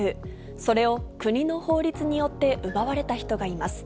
それを国の法律によって奪われた人がいます。